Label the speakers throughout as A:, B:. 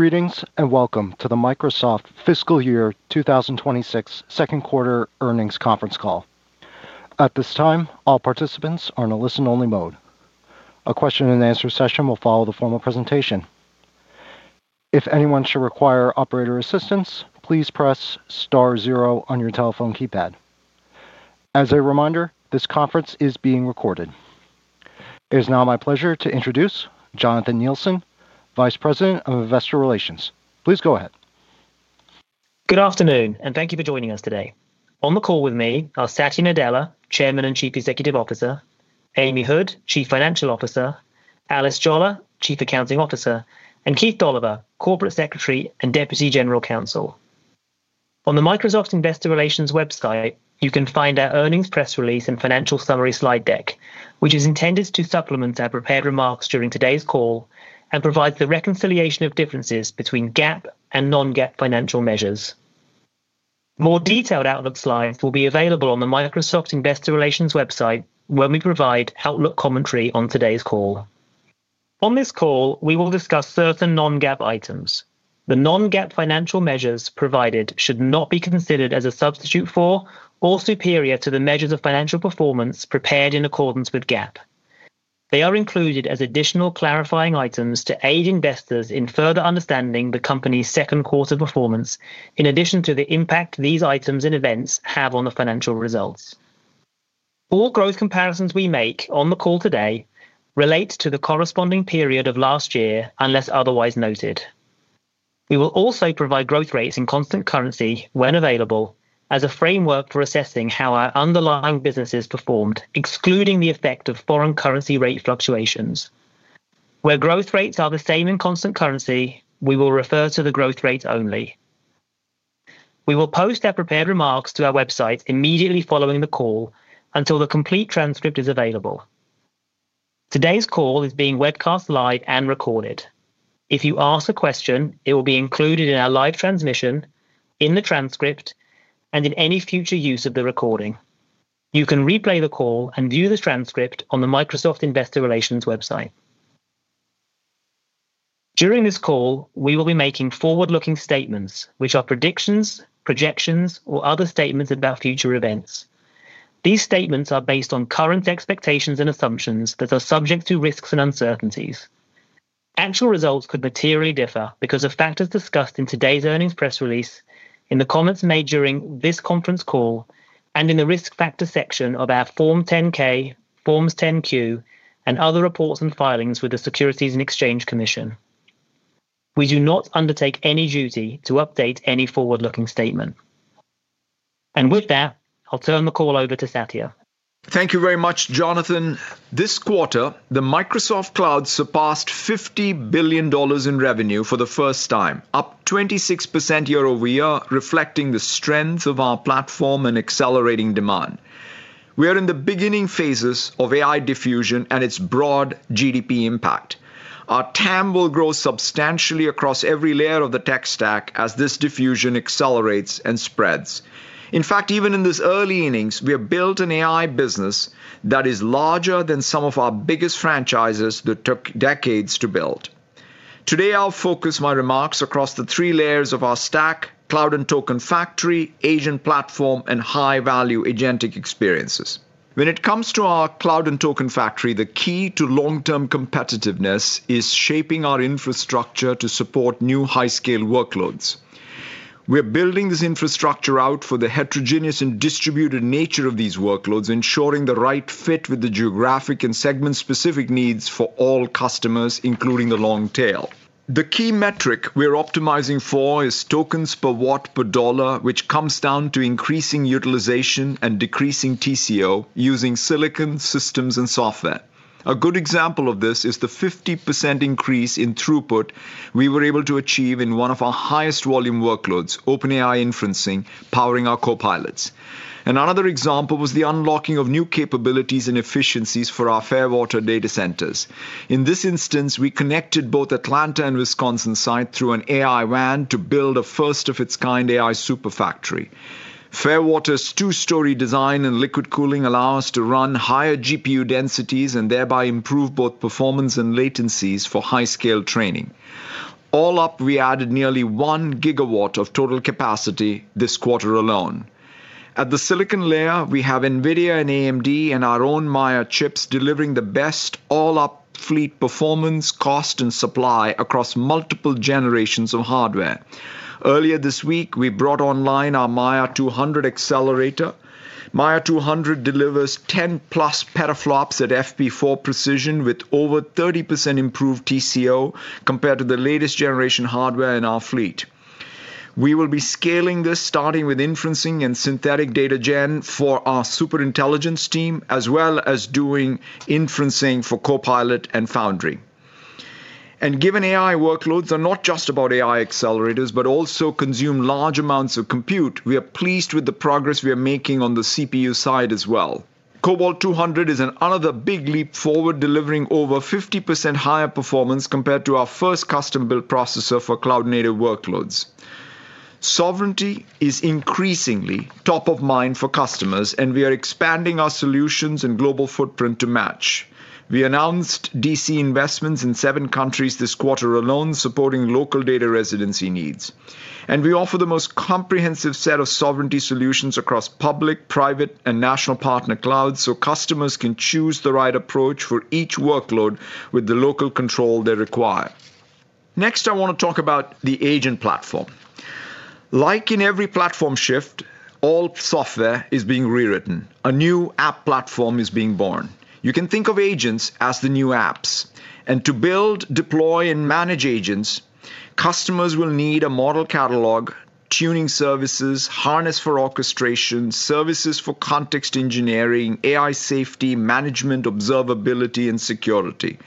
A: ...Greetings, and welcome to the Microsoft Fiscal Year 2026 second quarter earnings conference call. At this time, all participants are in a listen-only mode. A question and answer session will follow the formal presentation. If anyone should require operator assistance, please press star zero on your telephone keypad. As a reminder, this conference is being recorded. It is now my pleasure to introduce Jonathan Nielsen, Vice President of Investor Relations. Please go ahead.
B: Good afternoon, and thank you for joining us today. On the call with me are Satya Nadella, Chairman and Chief Executive Officer, Amy Hood, Chief Financial Officer, Alice Jolla, Chief Accounting Officer, and Keith Dolliver, Corporate Secretary and Deputy General Counsel. On the Microsoft Investor Relations website, you can find our earnings press release and financial summary slide deck, which is intended to supplement our prepared remarks during today's call and provides the reconciliation of differences between GAAP and non-GAAP financial measures. More detailed outlook slides will be available on the Microsoft Investor Relations website when we provide outlook commentary on today's call. On this call, we will discuss certain non-GAAP items. The non-GAAP financial measures provided should not be considered as a substitute for or superior to the measures of financial performance prepared in accordance with GAAP. They are included as additional clarifying items to aid investors in further understanding the company's second quarter performance, in addition to the impact these items and events have on the financial results. All growth comparisons we make on the call today relate to the corresponding period of last year, unless otherwise noted. We will also provide growth rates in constant currency when available, as a framework for assessing how our underlying businesses performed, excluding the effect of foreign currency rate fluctuations. Where growth rates are the same in constant currency, we will refer to the growth rate only. We will post our prepared remarks to our website immediately following the call until the complete transcript is available. Today's call is being webcast live and recorded. If you ask a question, it will be included in our live transmission, in the transcript, and in any future use of the recording. You can replay the call and view the transcript on the Microsoft Investor Relations website. During this call, we will be making forward-looking statements, which are predictions, projections, or other statements about future events. These statements are based on current expectations and assumptions that are subject to risks and uncertainties. Actual results could materially differ because of factors discussed in today's earnings press release, in the comments made during this conference call, and in the Risk Factors section of our Form 10-K, Forms 10-Q, and other reports and filings with the Securities and Exchange Commission. We do not undertake any duty to update any forward-looking statement. With that, I'll turn the call over to Satya.
C: Thank you very much, Jonathan. This quarter, the Microsoft Cloud surpassed $50 billion in revenue for the first time, up 26% year-over-year, reflecting the strength of our platform and accelerating demand. We are in the beginning phases of AI diffusion and its broad GDP impact. Our TAM will grow substantially across every layer of the tech stack as this diffusion accelerates and spreads. In fact, even in this early innings, we have built an AI business that is larger than some of our biggest franchises that took decades to build. Today, I'll focus my remarks across the three layers of our stack: cloud and token factory, AI and platform, and high-value agentic experiences. When it comes to our cloud and token factory, the key to long-term competitiveness is shaping our infrastructure to support new high-scale workloads. We are building this infrastructure out for the heterogeneous and distributed nature of these workloads, ensuring the right fit with the geographic and segment-specific needs for all customers, including the long tail. The key metric we are optimizing for is tokens per watt per dollar, which comes down to increasing utilization and decreasing TCO using silicon systems and software. A good example of this is the 50% increase in throughput we were able to achieve in one of our highest volume workloads, OpenAI inferencing, powering our copilots. Another example was the unlocking of new capabilities and efficiencies for our Fairwater data centers. In this instance, we connected both Atlanta and Wisconsin site through an AI WAN to build a first-of-its-kind AI super factory. Fairwater's two-story design and liquid cooling allow us to run higher GPU densities and thereby improve both performance and latencies for high-scale training. All up, we added nearly 1 GW of total capacity this quarter alone. At the silicon layer, we have NVIDIA and AMD and our own Maia chips, delivering the best all-up fleet performance, cost, and supply across multiple generations of hardware. Earlier this week, we brought online our Maia 200 accelerator. Maia 200 delivers 10+ petaflops at FP4 precision with over 30% improved TCO compared to the latest generation hardware in our fleet. We will be scaling this, starting with inferencing and synthetic data gen for our super intelligence team, as well as doing inferencing for Copilot and Foundry. And given AI workloads are not just about AI accelerators, but also consume large amounts of compute, we are pleased with the progress we are making on the CPU side as well. Cobalt 200 is another big leap forward, delivering over 50% higher performance compared to our first custom-built processor for cloud-native workloads. Sovereignty is increasingly top of mind for customers, and we are expanding our solutions and global footprint to match. We announced DC investments in seven countries this quarter alone, supporting local data residency needs. We offer the most comprehensive set of sovereignty solutions across public, private, and national partner clouds, so customers can choose the right approach for each workload with the local control they require. Next, I want to talk about the agent platform. Like in every platform shift, all software is being rewritten. A new app platform is being born. You can think of agents as the new apps, and to build, deploy, and manage agents, customers will need a model catalog, tuning services, harness for orchestration, services for context engineering, AI safety, management, observability, and security.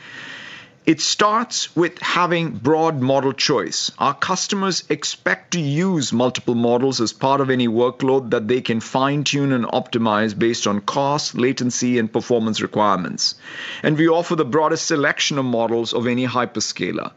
C: It starts with having broad model choice. Our customers expect to use multiple models as part of any workload that they can fine-tune and optimize based on cost, latency, and performance requirements. We offer the broadest selection of models of any hyperscaler.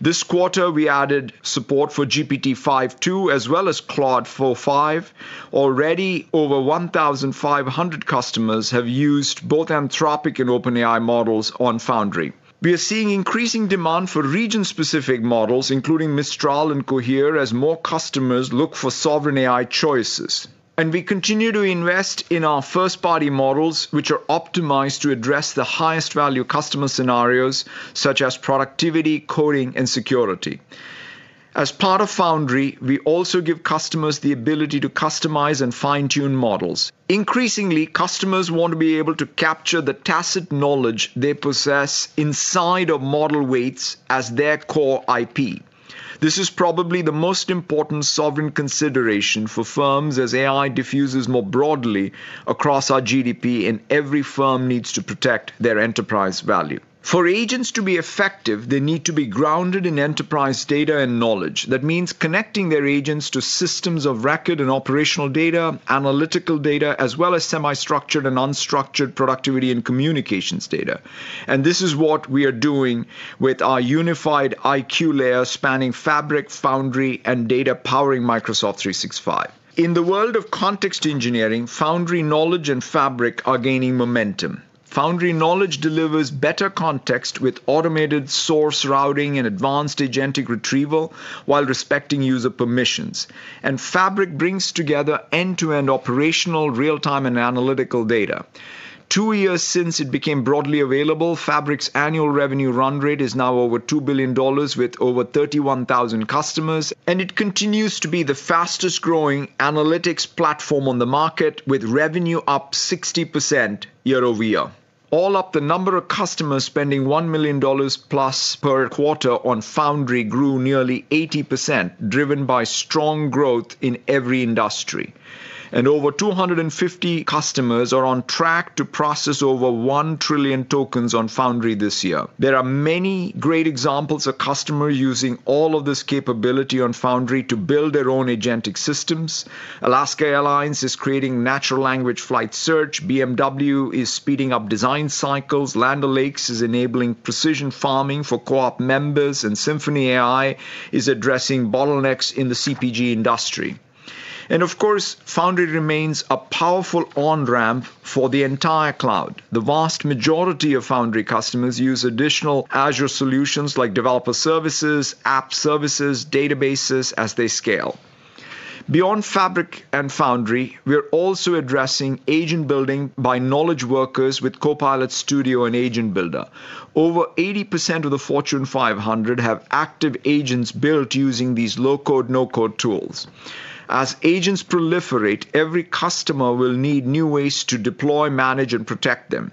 C: This quarter, we added support for GPT-5 too, as well as Claude 4.5. Already, over 1,500 customers have used both Anthropic and OpenAI models on Foundry. We are seeing increasing demand for region-specific models, including Mistral and Cohere, as more customers look for sovereign AI choices. We continue to invest in our first-party models, which are optimized to address the highest value customer scenarios, such as productivity, coding, and security. As part of Foundry, we also give customers the ability to customize and fine-tune models. Increasingly, customers want to be able to capture the tacit knowledge they possess inside of model weights as their core IP. This is probably the most important sovereign consideration for firms as AI diffuses more broadly across our GDP, and every firm needs to protect their enterprise value. For agents to be effective, they need to be grounded in enterprise data and knowledge. That means connecting their agents to systems of record and operational data, analytical data, as well as semi-structured and unstructured productivity and communications data. And this is what we are doing with our Unified IQ layer, spanning Fabric, Foundry, and data powering Microsoft 365. In the world of context engineering, Foundry Knowledge and Fabric are gaining momentum. Foundry Knowledge delivers better context with automated source routing and advanced agentic retrieval while respecting user permissions. Fabric brings together end-to-end operational, real-time, and analytical data. Two years since it became broadly available, Fabric's annual revenue run rate is now over $2 billion, with over 31,000 customers, and it continues to be the fastest-growing analytics platform on the market, with revenue up 60% year-over-year. All up, the number of customers spending $1 million plus per quarter on Foundry grew nearly 80%, driven by strong growth in every industry. Over 250 customers are on track to process over 1 trillion tokens on Foundry this year. There are many great examples of customers using all of this capability on Foundry to build their own agentic systems. Alaska Airlines is creating natural language flight search, BMW is speeding up design cycles, Land O'Lakes is enabling precision farming for co-op members, and SymphonyAI is addressing bottlenecks in the CPG industry. And of course, Foundry remains a powerful on-ramp for the entire cloud. The vast majority of Foundry customers use additional Azure solutions like developer services, app services, databases as they scale. Beyond Fabric and Foundry, we are also addressing agent building by knowledge workers with Copilot Studio and Agent Builder. Over 80% of the Fortune 500 have active agents built using these low-code, no-code tools. As agents proliferate, every customer will need new ways to deploy, manage, and protect them.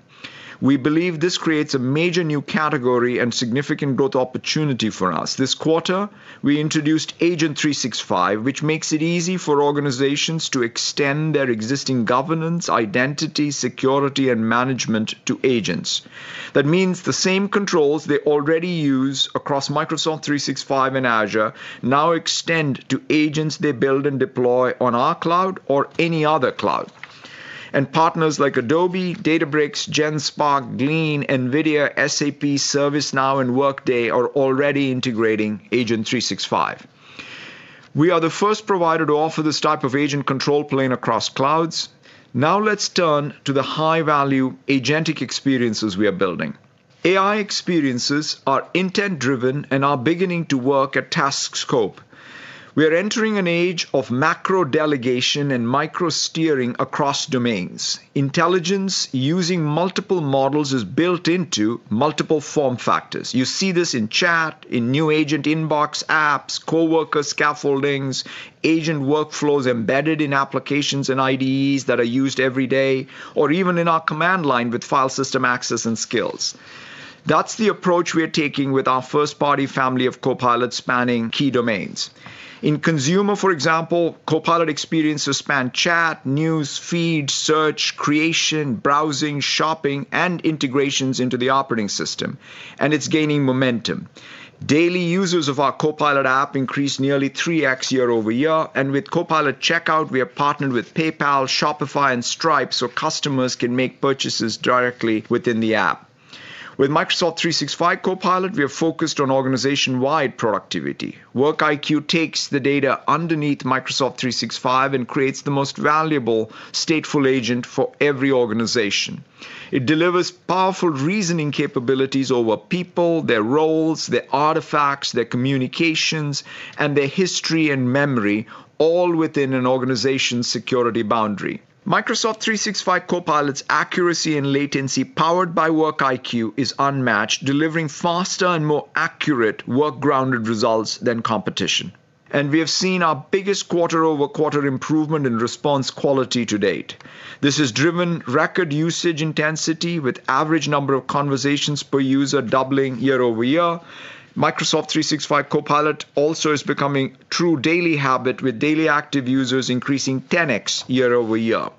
C: We believe this creates a major new category and significant growth opportunity for us. This quarter, we introduced Agent 365, which makes it easy for organizations to extend their existing governance, identity, security, and management to agents. That means the same controls they already use across Microsoft 365 and Azure now extend to agents they build and deploy on our cloud or any other cloud. And partners like Adobe, Databricks, Genspark, Glean, NVIDIA, SAP, ServiceNow, and Workday are already integrating Agent 365. We are the first provider to offer this type of agent control plane across clouds. Now, let's turn to the high-value agentic experiences we are building. AI experiences are intent-driven and are beginning to work at task scope. We are entering an age of macro delegation and micro steering across domains. Intelligence using multiple models is built into multiple form factors. You see this in chat, in new agent inbox apps, coworker scaffoldings, agent workflows embedded in applications and IDEs that are used every day, or even in our command line with file system access and skills. That's the approach we are taking with our first-party family of Copilot spanning key domains. In consumer, for example, Copilot experiences span chat, news, feed, search, creation, browsing, shopping, and integrations into the operating system, and it's gaining momentum. Daily users of our Copilot app increased nearly 3x year-over-year, and with Copilot Checkout, we have partnered with PayPal, Shopify, and Stripe so customers can make purchases directly within the app.... With Microsoft 365 Copilot, we are focused on organization-wide productivity. Work IQ takes the data underneath Microsoft 365 and creates the most valuable stateful agent for every organization. It delivers powerful reasoning capabilities over people, their roles, their artifacts, their communications, and their history and memory, all within an organization's security boundary. Microsoft 365 Copilot's accuracy and latency, powered by Work IQ, is unmatched, delivering faster and more accurate work-grounded results than competition. We have seen our biggest quarter-over-quarter improvement in response quality to date. This has driven record usage intensity, with average number of conversations per user doubling year-over-year. Microsoft 365 Copilot also is becoming true daily habit, with daily active users increasing 10x year-over-year.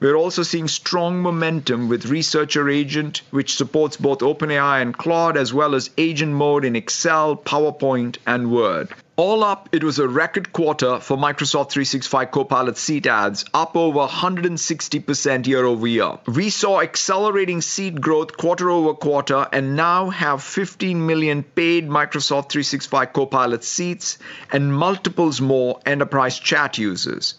C: We are also seeing strong momentum with Researcher Agent, which supports both OpenAI and Claude, as well as agent mode in Excel, PowerPoint, and Word. All up, it was a record quarter for Microsoft 365 Copilot seat adds, up over 160% year-over-year. We saw accelerating seat growth quarter-over-quarter, and now have 15 million paid Microsoft 365 Copilot seats and multiples more enterprise chat users.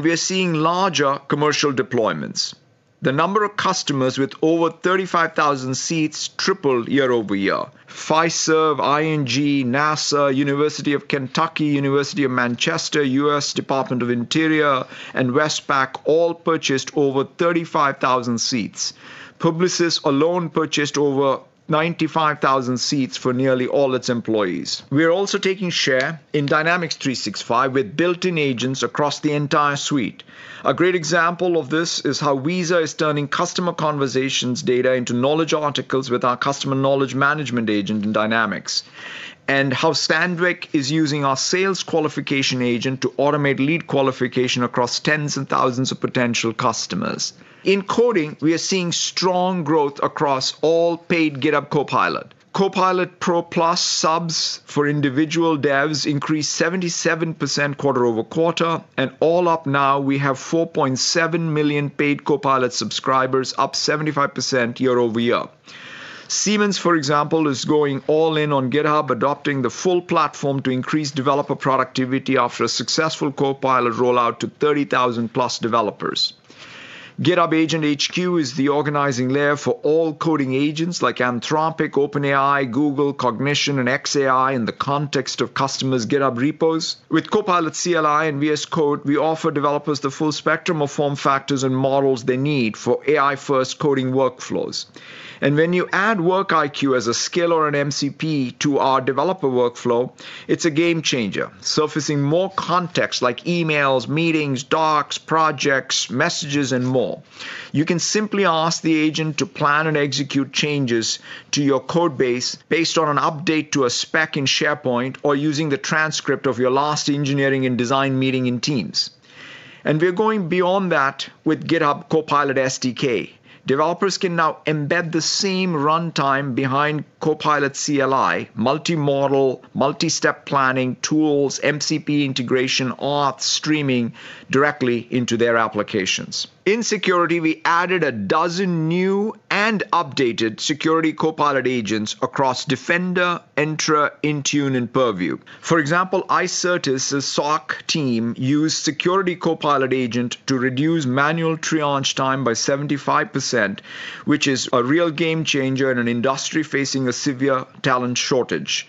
C: We are seeing larger commercial deployments. The number of customers with over 35,000 seats tripled year-over-year. Fiserv, ING, NASA, University of Kentucky, University of Manchester, US Department of Interior, and Westpac all purchased over 35,000 seats. Publicis alone purchased over 95,000 seats for nearly all its employees. We are also taking share in Dynamics 365 with built-in agents across the entire suite. A great example of this is how Visa is turning customer conversations data into knowledge articles with our Customer Knowledge Management Agent in Dynamics, and how Sandvik is using our Sales Qualification Agent to automate lead qualification across tens and thousands of potential customers. In coding, we are seeing strong growth across all paid GitHub Copilot. Copilot Pro plus subs for individual devs increased 77% quarter-over-quarter, and all up now, we have 4.7 million paid Copilot subscribers, up 75% year-over-year. Siemens, for example, is going all in on GitHub, adopting the full platform to increase developer productivity after a successful Copilot rollout to 30,000+ developers. GitHub Agent HQ is the organizing layer for all coding agents like Anthropic, OpenAI, Google, Cognition, and xAI in the context of customers' GitHub repos. With Copilot CLI and VS Code, we offer developers the full spectrum of form factors and models they need for AI-first coding workflows. And when you add Work IQ as a skill or an MCP to our developer workflow, it's a game changer, surfacing more context like emails, meetings, docs, projects, messages, and more. You can simply ask the agent to plan and execute changes to your code base based on an update to a spec in SharePoint or using the transcript of your last engineering and design meeting in Teams. We are going beyond that with GitHub Copilot SDK. Developers can now embed the same runtime behind Copilot CLI, multi-model, multi-step planning tools, MCP integration, auth, streaming directly into their applications. In security, we added a dozen new and updated Security Copilot agents across Defender, Entra, Intune, and Purview. For example, Icertis's SOC team used Security Copilot agent to reduce manual triage time by 75%, which is a real game changer in an industry facing a severe talent shortage.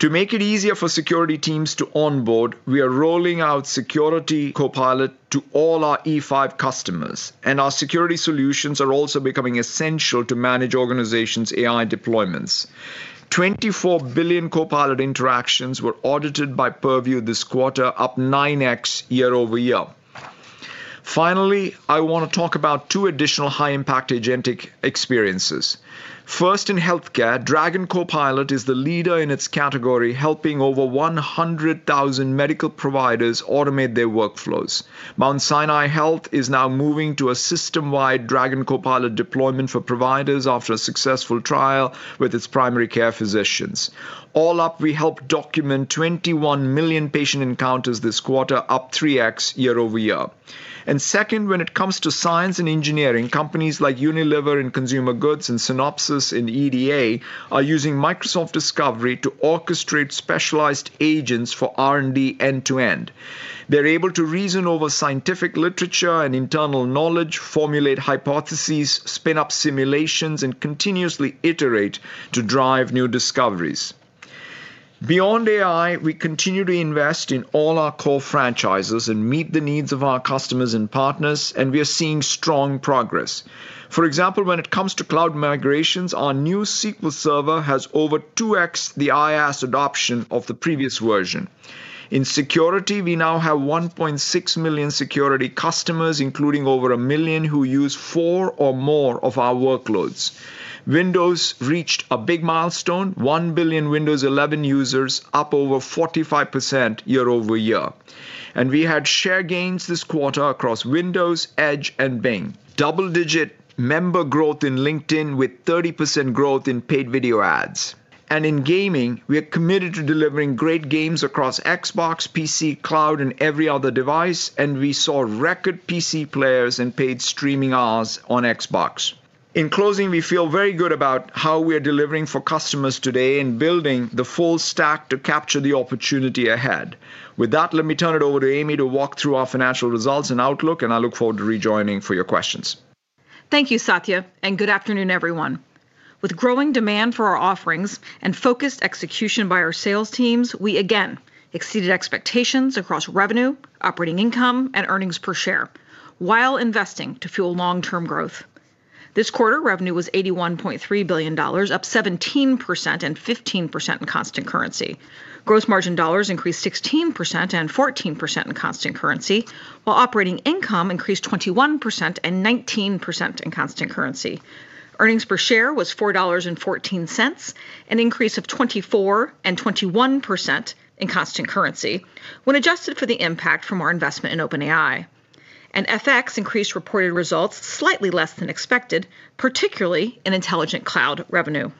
C: To make it easier for security teams to onboard, we are rolling out Security Copilot to all our E5 customers, and our security solutions are also becoming essential to manage organizations' AI deployments. 24 billion Copilot interactions were audited by Purview this quarter, up 9x year-over-year. Finally, I want to talk about two additional high-impact agentic experiences. First, in healthcare, Dragon Copilot is the leader in its category, helping over 100,000 medical providers automate their workflows. Mount Sinai Health is now moving to a system-wide Dragon Copilot deployment for providers after a successful trial with its primary care physicians. All up, we helped document 21 million patient encounters this quarter, up 3x year-over-year. And second, when it comes to science and engineering, companies like Unilever in consumer goods and Synopsys in EDA are using Microsoft Discovery to orchestrate specialized agents for R&D end-to-end. They're able to reason over scientific literature and internal knowledge, formulate hypotheses, spin up simulations, and continuously iterate to drive new discoveries. Beyond AI, we continue to invest in all our core franchises and meet the needs of our customers and partners, and we are seeing strong progress. For example, when it comes to cloud migrations, our new SQL Server has over 2x the IaaS adoption of the previous version. In security, we now have 1.6 million security customers, including over 1 million who use four or more of our workloads. Windows reached a big milestone, 1 billion Windows 11 users, up over 45% year-over-year. We had share gains this quarter across Windows, Edge, and Bing. Double-digit member growth in LinkedIn with 30% growth in paid video ads. In gaming, we are committed to delivering great games across Xbox, PC, Cloud, and every other device, and we saw record PC players and paid streaming hours on Xbox. In closing, we feel very good about how we are delivering for customers today and building the full stack to capture the opportunity ahead. With that, let me turn it over to Amy to walk through our financial results and outlook, and I look forward to rejoining for your questions.
D: Thank you, Satya, and good afternoon, everyone. With growing demand for our offerings and focused execution by our sales teams, we again exceeded expectations across revenue, operating income, and earnings per share while investing to fuel long-term growth. This quarter, revenue was $81.3 billion, up 17% and 15% in constant currency. Gross margin dollars increased 16% and 14% in constant currency, while operating income increased 21% and 19% in constant currency. Earnings per share was $4.14, an increase of 24% and 21% in constant currency when adjusted for the impact from our investment in OpenAI. FX increased reported results slightly less than expected, particularly in Intelligent Cloud revenue.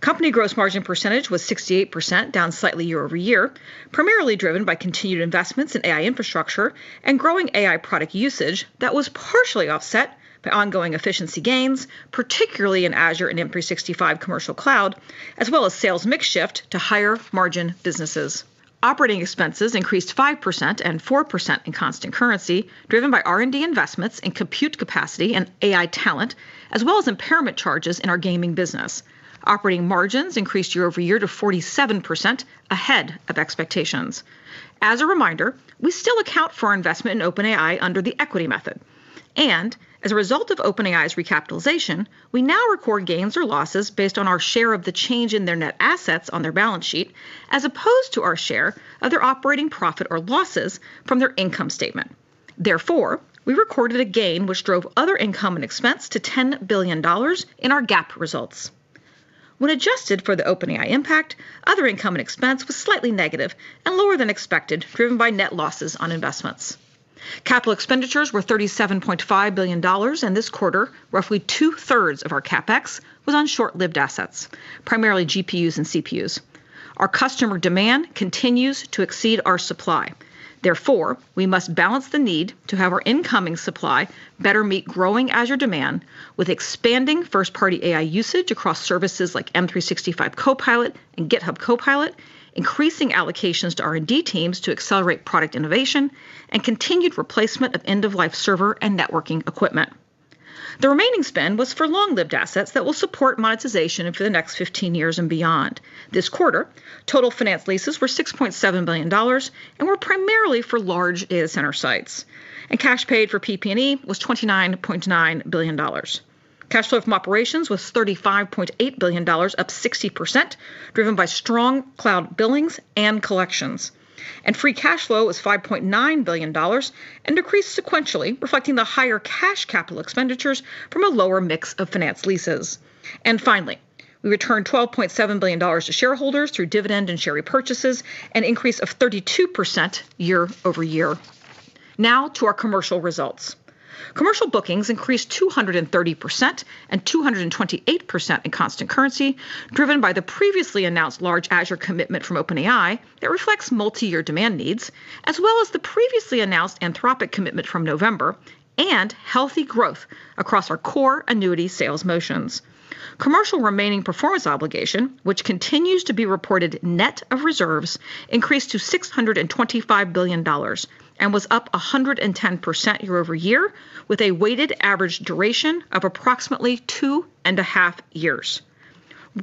D: Company gross margin percentage was 68%, down slightly year-over-year, primarily driven by continued investments in AI infrastructure and growing AI product usage that was partially offset by ongoing efficiency gains, particularly in Azure and M365 Commercial Cloud, as well as sales mix shift to higher margin businesses. Operating expenses increased 5% and 4% in constant currency, driven by R&D investments in compute capacity and AI talent, as well as impairment charges in our gaming business. Operating margins increased year-over-year to 47% ahead of expectations. As a reminder, we still account for our investment in OpenAI under the equity method, and as a result of OpenAI's recapitalization, we now record gains or losses based on our share of the change in their net assets on their balance sheet, as opposed to our share of their operating profit or losses from their income statement. Therefore, we recorded a gain which drove other income and expense to $10 billion in our GAAP results. When adjusted for the OpenAI impact, other income and expense was slightly negative and lower than expected, driven by net losses on investments. Capital expenditures were $37.5 billion, and this quarter, roughly two-thirds of our CapEx was on short-lived assets, primarily GPUs and CPUs. Our customer demand continues to exceed our supply. Therefore, we must balance the need to have our incoming supply better meet growing Azure demand with expanding first-party AI usage across services like M365 Copilot and GitHub Copilot, increasing allocations to R&D teams to accelerate product innovation, and continued replacement of end-of-life server and networking equipment. The remaining spend was for long-lived assets that will support monetization for the next 15 years and beyond. This quarter, total finance leases were $6.7 billion and were primarily for large data center sites, and cash paid for PP&E was $29.9 billion. Cash flow from operations was $35.8 billion, up 60%, driven by strong cloud billings and collections. Free cash flow was $5.9 billion and decreased sequentially, reflecting the higher cash capital expenditures from a lower mix of finance leases. Finally, we returned $12.7 billion to shareholders through dividend and share repurchases, an increase of 32% year-over-year. Now to our commercial results. Commercial bookings increased 230% and 228% in constant currency, driven by the previously announced large Azure commitment from OpenAI that reflects multiyear demand needs, as well as the previously announced Anthropic commitment from November and healthy growth across our core annuity sales motions. Commercial remaining performance obligation, which continues to be reported net of reserves, increased to $625 billion and was up 110% year-over-year, with a weighted average duration of approximately 2.5 years.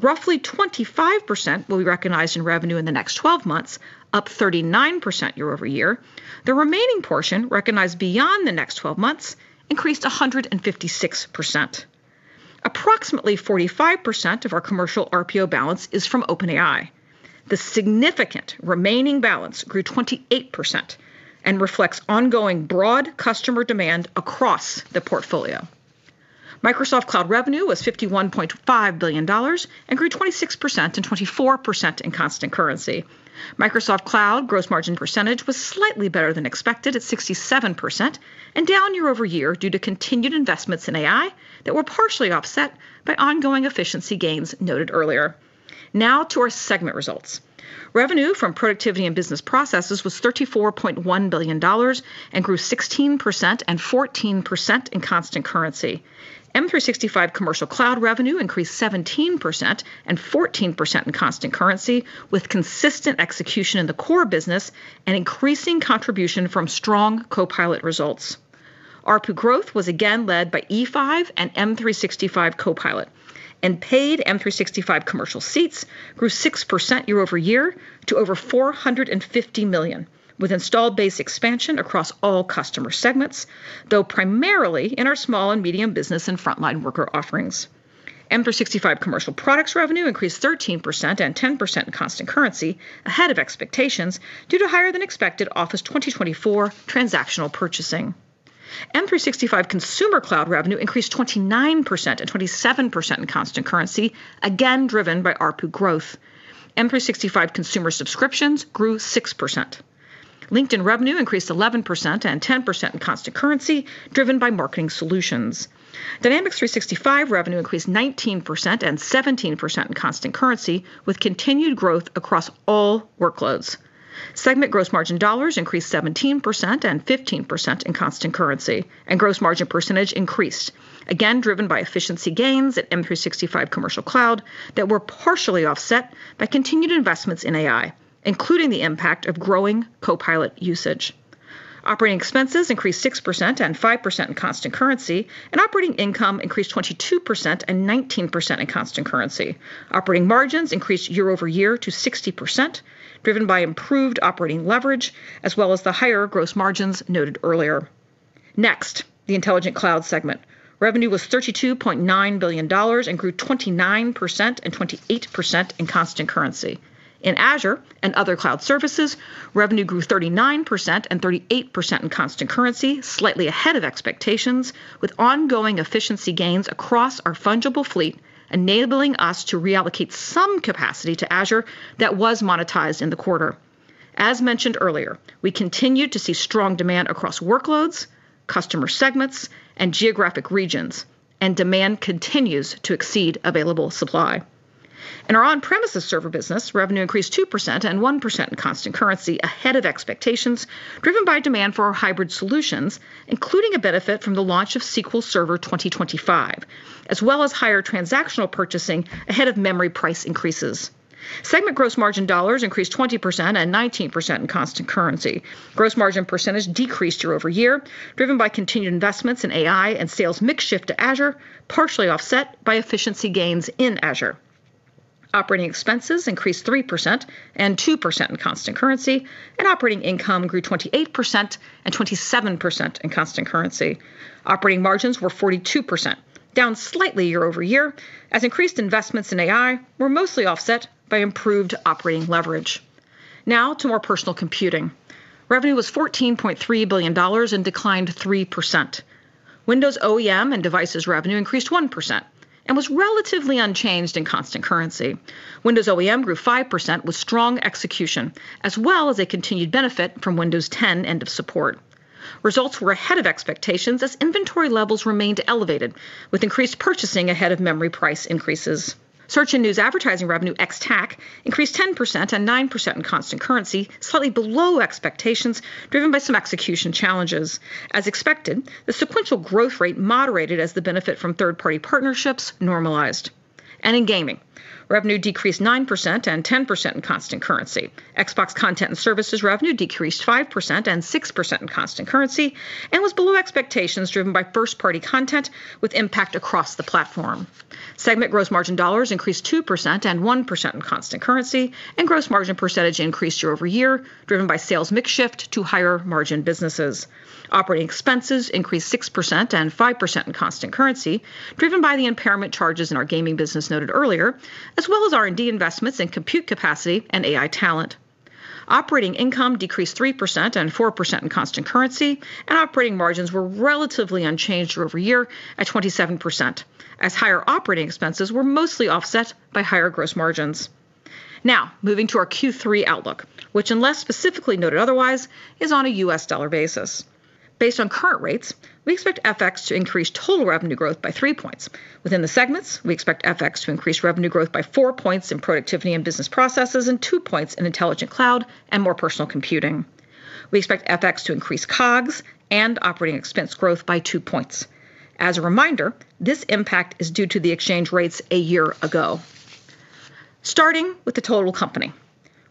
D: Roughly 25% will be recognized in revenue in the next twelve months, up 39% year-over-year. The remaining portion, recognized beyond the next twelve months, increased 156%. Approximately 45% of our commercial RPO balance is from OpenAI. The significant remaining balance grew 28% and reflects ongoing broad customer demand across the portfolio. Microsoft Cloud revenue was $51.5 billion and grew 26% and 24% in constant currency. Microsoft Cloud gross margin percentage was slightly better than expected at 67% and down year over year due to continued investments in AI that were partially offset by ongoing efficiency gains noted earlier. Now to our segment results. Revenue from Productivity and Business Processes was $34.1 billion and grew 16% and 14% in constant currency. M365 Commercial Cloud revenue increased 17% and 14% in constant currency, with consistent execution in the core business and increasing contribution from strong Copilot results. ARPU growth was again led by E5 and M365 Copilot, and paid M365 commercial seats grew 6% year-over-year to over 450 million, with installed base expansion across all customer segments, though primarily in our small and medium business and frontline worker offerings. M365 Commercial Products revenue increased 13% and 10% in constant currency ahead of expectations due to higher-than-expected Office 2024 transactional purchasing. M365 Consumer Cloud revenue increased 29% and 27% in constant currency, again driven by ARPU growth…. M365 consumer subscriptions grew 6%. LinkedIn revenue increased 11% and 10% in constant currency, driven by marketing solutions. Dynamics 365 revenue increased 19% and 17% in constant currency, with continued growth across all workloads. Segment gross margin dollars increased 17% and 15% in constant currency, and gross margin percentage increased, again, driven by efficiency gains at M365 Commercial Cloud that were partially offset by continued investments in AI, including the impact of growing Copilot usage. Operating expenses increased 6% and 5% in constant currency, and operating income increased 22% and 19% in constant currency. Operating margins increased year-over-year to 60%, driven by improved operating leverage, as well as the higher gross margins noted earlier. Next, the Intelligent Cloud segment. Revenue was $32.9 billion and grew 29% and 28% in constant currency. In Azure and other cloud services, revenue grew 39% and 38% in constant currency, slightly ahead of expectations, with ongoing efficiency gains across our fungible fleet, enabling us to reallocate some capacity to Azure that was monetized in the quarter. As mentioned earlier, we continued to see strong demand across workloads, customer segments, and geographic regions, and demand continues to exceed available supply. In our on-premises server business, revenue increased 2% and 1% in constant currency, ahead of expectations, driven by demand for our hybrid solutions, including a benefit from the launch of SQL Server 2025, as well as higher transactional purchasing ahead of memory price increases. Segment gross margin dollars increased 20% and 19% in constant currency. Gross margin percentage decreased year-over-year, driven by continued investments in AI and sales mix shift to Azure, partially offset by efficiency gains in Azure. Operating expenses increased 3% and 2% in constant currency, and operating income grew 28% and 27% in constant currency. Operating margins were 42%, down slightly year-over-year, as increased investments in AI were mostly offset by improved operating leverage. Now to More Personal Computing. Revenue was $14.3 billion and declined 3%. Windows OEM and devices revenue increased 1% and was relatively unchanged in constant currency. Windows OEM grew 5% with strong execution, as well as a continued benefit from Windows 10 end of support. Results were ahead of expectations as inventory levels remained elevated, with increased purchasing ahead of memory price increases. Search and news advertising revenue, ex TAC, increased 10% and 9% in constant currency, slightly below expectations, driven by some execution challenges. As expected, the sequential growth rate moderated as the benefit from third-party partnerships normalized. In gaming, revenue decreased 9% and 10% in constant currency. Xbox content and services revenue decreased 5% and 6% in constant currency and was below expectations, driven by first-party content with impact across the platform. Segment gross margin dollars increased 2% and 1% in constant currency, and gross margin percentage increased year-over-year, driven by sales mix shift to higher margin businesses. Operating expenses increased 6% and 5% in constant currency, driven by the impairment charges in our gaming business noted earlier, as well as R&D investments in compute capacity and AI talent. Operating income decreased 3% and 4% in constant currency, and operating margins were relatively unchanged year-over-year at 27%, as higher operating expenses were mostly offset by higher gross margins. Now, moving to our Q3 outlook, which, unless specifically noted otherwise, is on a US dollar basis. Based on current rates, we expect FX to increase total revenue growth by three points. Within the segments, we expect FX to increase revenue growth by four points in Productivity and Business Processes and two points in Intelligent Cloud and More Personal Computing. We expect FX to increase COGS and operating expense growth by two points. As a reminder, this impact is due to the exchange rates a year ago. Starting with the total company,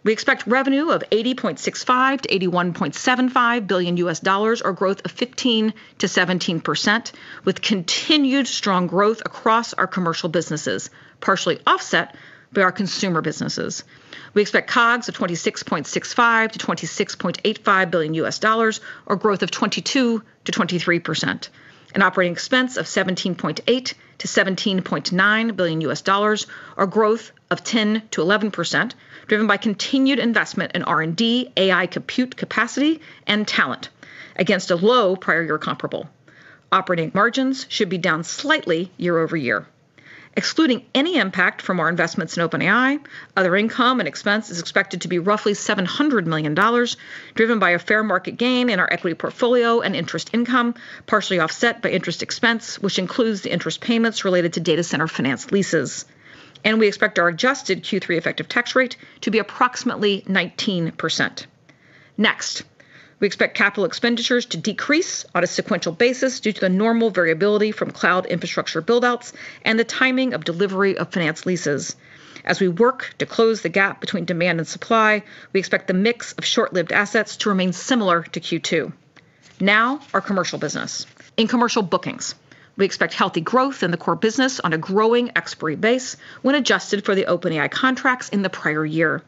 D: we expect revenue of $80.65 billion-$81.75 billion, or growth of 15%-17%, with continued strong growth across our commercial businesses, partially offset by our consumer businesses. We expect COGS of $26.65 billion-$26.85 billion, or growth of 22%-23%, and operating expense of $17.8 billion-$17.9 billion, or growth of 10%-11%, driven by continued investment in R&D, AI compute capacity, and talent against a low prior year comparable. Operating margins should be down slightly year-over-year. Excluding any impact from our investments in OpenAI, other income and expense is expected to be roughly $700 million, driven by a fair market gain in our equity portfolio and interest income, partially offset by interest expense, which includes the interest payments related to data center finance leases. We expect our adjusted Q3 effective tax rate to be approximately 19%. Next, we expect capital expenditures to decrease on a sequential basis due to the normal variability from cloud infrastructure build-outs and the timing of delivery of finance leases. As we work to close the gap between demand and supply, we expect the mix of short-lived assets to remain similar to Q2. Now, our commercial business. In commercial bookings, we expect healthy growth in the core business on a growing ex-pre base when adjusted for the OpenAI contracts in the prior year.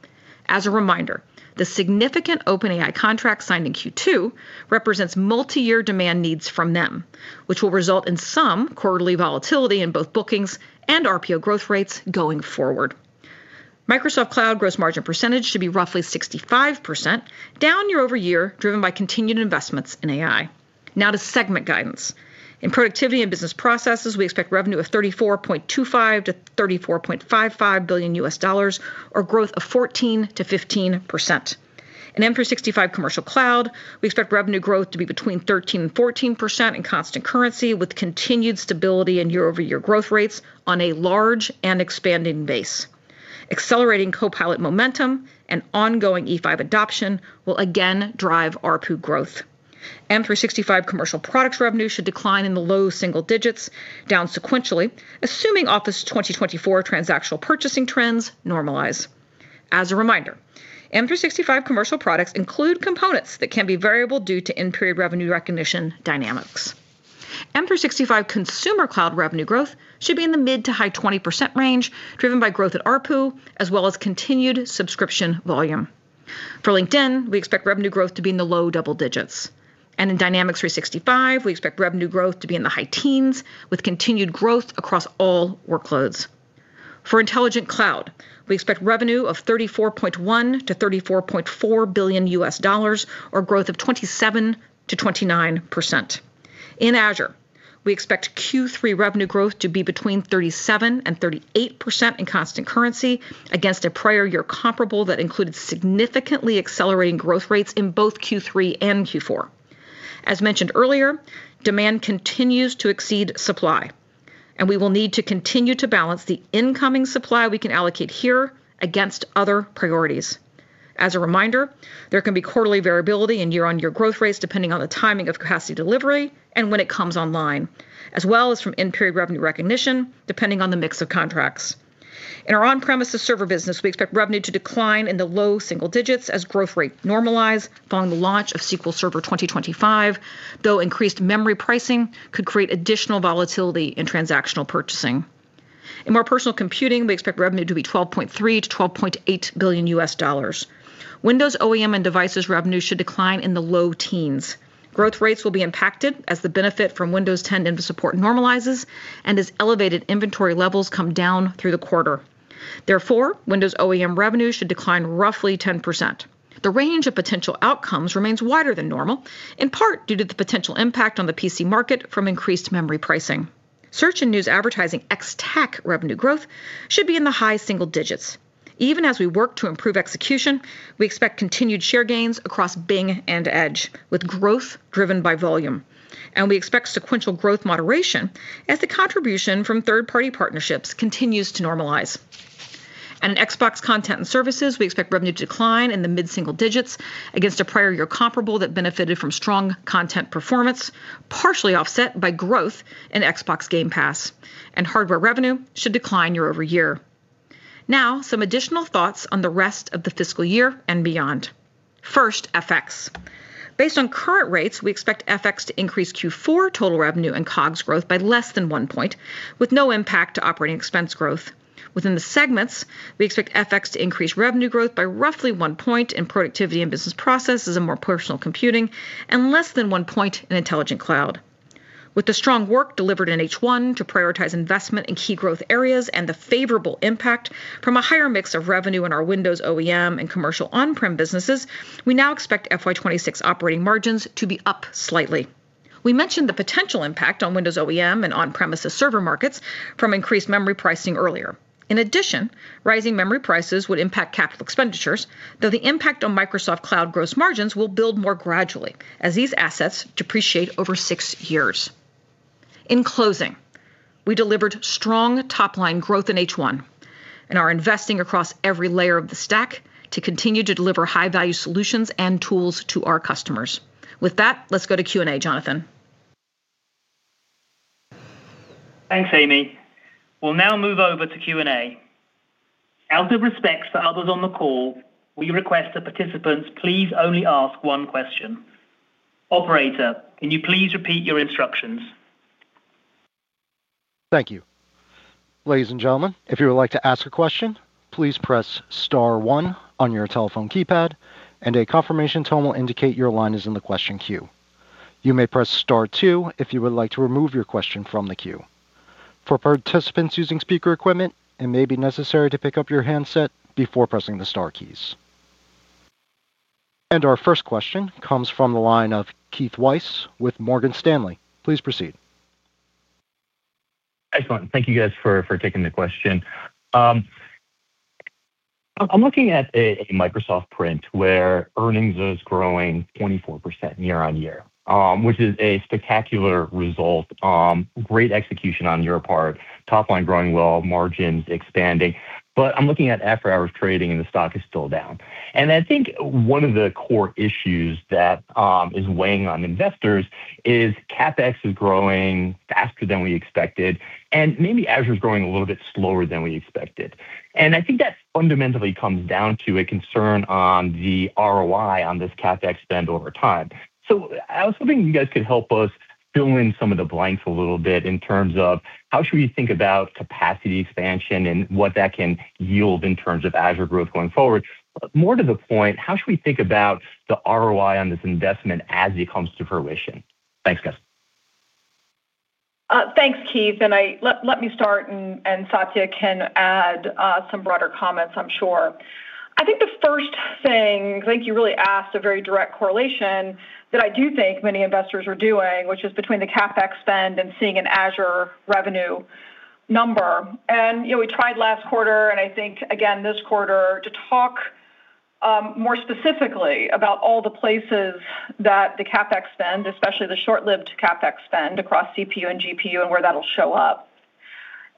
D: As a reminder, the significant OpenAI contract signed in Q2 represents multiyear demand needs from them, which will result in some quarterly volatility in both bookings and RPO growth rates going forward. Microsoft Cloud gross margin percentage should be roughly 65%, down year-over-year, driven by continued investments in AI. Now to segment guidance. In Productivity and Business Processes, we expect revenue of $34.25 billion-$34.55 billion, or growth of 14%-15%. In M365 Commercial Cloud, we expect revenue growth to be between 13%-14% in constant currency, with continued stability in year-over-year growth rates on a large and expanding base. Accelerating Copilot momentum and ongoing E5 adoption will again drive ARPU growth. M365 Commercial Products revenue should decline in the low single digits, down sequentially, assuming Office 2024 transactional purchasing trends normalize. As a reminder, M365 Commercial Products include components that can be variable due to in-period revenue recognition dynamics. M365 consumer cloud revenue growth should be in the mid- to high-20% range, driven by growth at ARPU, as well as continued subscription volume. For LinkedIn, we expect revenue growth to be in the low double digits, and in Dynamics 365, we expect revenue growth to be in the high teens, with continued growth across all workloads. For Intelligent Cloud, we expect revenue of $34.1 billion-$34.4 billion, or growth of 27%-29%. In Azure, we expect Q3 revenue growth to be between 37% and 38% in constant currency against a prior year comparable that included significantly accelerating growth rates in both Q3 and Q4. As mentioned earlier, demand continues to exceed supply, and we will need to continue to balance the incoming supply we can allocate here against other priorities. As a reminder, there can be quarterly variability in year-on-year growth rates depending on the timing of capacity delivery and when it comes online, as well as from in-period revenue recognition, depending on the mix of contracts. In our on-premises server business, we expect revenue to decline in the low single digits as growth rates normalize following the launch of SQL Server 2025. Though increased memory pricing could create additional volatility in transactional purchasing. In More Personal Computing, we expect revenue to be $12.3 billion-$12.8 billion. Windows OEM and devices revenue should decline in the low teens. Growth rates will be impacted as the benefit from Windows 10 end of support normalizes and as elevated inventory levels come down through the quarter. Therefore, Windows OEM revenue should decline roughly 10%. The range of potential outcomes remains wider than normal, in part due to the potential impact on the PC market from increased memory pricing. Search and news advertising ex-TAC revenue growth should be in the high single digits. Even as we work to improve execution, we expect continued share gains across Bing and Edge, with growth driven by volume, and we expect sequential growth moderation as the contribution from third-party partnerships continues to normalize. And in Xbox content and services, we expect revenue to decline in the mid single digits against a prior year comparable that benefited from strong content performance, partially offset by growth in Xbox Game Pass, and hardware revenue should decline year-over-year. Now, some additional thoughts on the rest of the fiscal year and beyond. First, FX. Based on current rates, we expect FX to increase Q4 total revenue and COGS growth by less than 1 point, with no impact to operating expense growth. Within the segments, we expect FX to increase revenue growth by roughly 1 point in Productivity and Business Processes and More Personal Computing and less than 1 point in Intelligent Cloud. With the strong work delivered in H1 to prioritize investment in key growth areas and the favorable impact from a higher mix of revenue in our Windows OEM and commercial on-prem businesses, we now expect FY 2026 operating margins to be up slightly. We mentioned the potential impact on Windows OEM and on-premises server markets from increased memory pricing earlier. In addition, rising memory prices would impact capital expenditures, though the impact on Microsoft Cloud gross margins will build more gradually as these assets depreciate over six years. In closing, we delivered strong top-line growth in H1 and are investing across every layer of the stack to continue to deliver high-value solutions and tools to our customers. With that, let's go to Q&A. Jonathan?
B: Thanks, Amy. We'll now move over to Q&A. Out of respect for others on the call, we request that participants please only ask one question. Operator, can you please repeat your instructions?
A: Thank you. Ladies and gentlemen, if you would like to ask a question, please press star one on your telephone keypad, and a confirmation tone will indicate your line is in the question queue. You may press star two if you would like to remove your question from the queue. For participants using speaker equipment, it may be necessary to pick up your handset before pressing the star keys. Our first question comes from the line of Keith Weiss with Morgan Stanley. Please proceed.
E: Excellent. Thank you, guys, for taking the question. I'm looking at a Microsoft print where earnings is growing 24% year-on-year, which is a spectacular result. Great execution on your part. Top line growing well, margins expanding. But I'm looking at after-hours trading, and the stock is still down. And I think one of the core issues that is weighing on investors is CapEx is growing faster than we expected, and maybe Azure is growing a little bit slower than we expected. And I think that fundamentally comes down to a concern on the ROI on this CapEx spend over time. So I was hoping you guys could help us fill in some of the blanks a little bit in terms of how should we think about capacity expansion and what that can yield in terms of Azure growth going forward? More to the point, how should we think about the ROI on this investment as it comes to fruition? Thanks, guys....
D: Thanks, Keith. And let me start, and Satya can add some broader comments, I'm sure. I think the first thing, I think you really asked a very direct correlation that I do think many investors are doing, which is between the CapEx spend and seeing an Azure revenue number. And, you know, we tried last quarter, and I think again this quarter, to talk more specifically about all the places that the CapEx spend, especially the short-lived CapEx spend across CPU and GPU, and where that'll show up.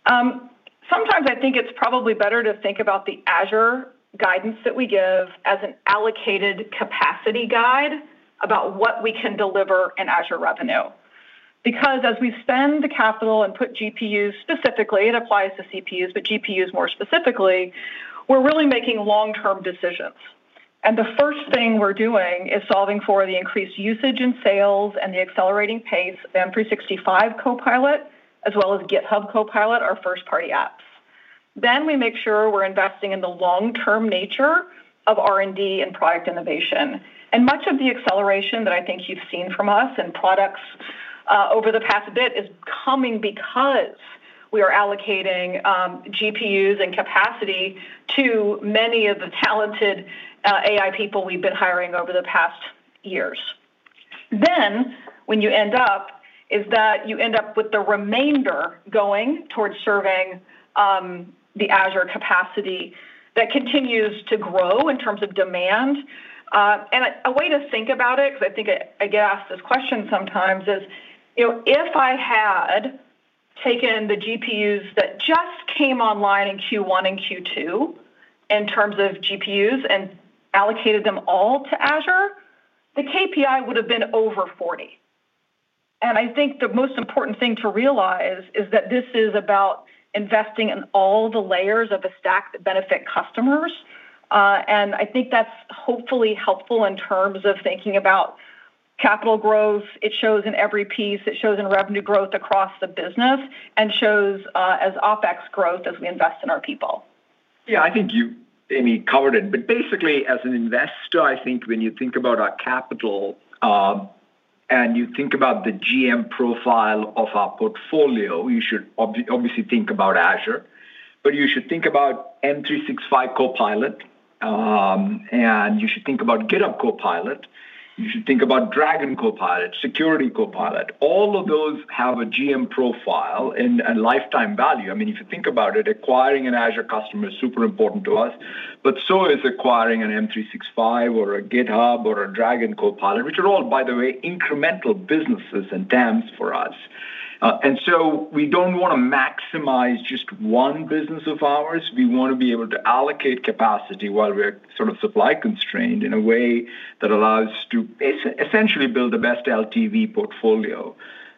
D: Sometimes I think it's probably better to think about the Azure guidance that we give as an allocated capacity guide about what we can deliver in Azure revenue. Because as we spend the capital and put GPUs specifically, it applies to CPUs, but GPUs more specifically, we're really making long-term decisions. The first thing we're doing is solving for the increased usage in sales and the accelerating pace of M365 Copilot, as well as GitHub Copilot, our first-party apps. Then we make sure we're investing in the long-term nature of R&D and product innovation. And much of the acceleration that I think you've seen from us in products over the past bit is coming because we are allocating GPUs and capacity to many of the talented AI people we've been hiring over the past years. You end up with the remainder going towards serving the Azure capacity that continues to grow in terms of demand. A way to think about it, because I think I get asked this question sometimes, is, you know, if I had taken the GPUs that just came online in Q1 and Q2, in terms of GPUs, and allocated them all to Azure, the KPI would have been over 40. And I think the most important thing to realize is that this is about investing in all the layers of the stack that benefit customers, and I think that's hopefully helpful in terms of thinking about capital growth. It shows in every piece. It shows in revenue growth across the business and shows as OpEx growth as we invest in our people.
C: Yeah, I think you, Amy, covered it. But basically, as an investor, I think when you think about our capital, and you think about the GM profile of our portfolio, you should obviously think about Azure, but you should think about M365 Copilot, and you should think about GitHub Copilot. You should think about Dragon Copilot, Security Copilot. All of those have a GM profile and lifetime value. I mean, if you think about it, acquiring an Azure customer is super important to us, but so is acquiring an M365 or a GitHub or a Dragon Copilot, which are all, by the way, incremental businesses and TAMs for us. And so we don't want to maximize just one business of ours. We want to be able to allocate capacity while we're sort of supply constrained in a way that allows us to essentially build the best LTV portfolio.